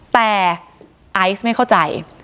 แต่ไอซ์ไม่เข้าใจ